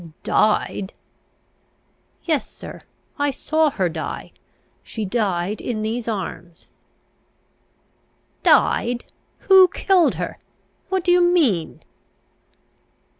"Died?" "Yes, sir. I saw her die. She died in these arms." "Died? Who killed her? What do you mean?"